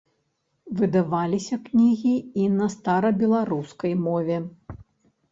Выдаваліся кнігі і на старабеларускай мове.